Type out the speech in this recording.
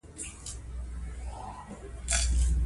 کندز سیند د افغانستان د اوږدمهاله پایښت لپاره مهم رول لري.